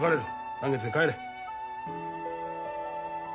嵐月へ帰れ。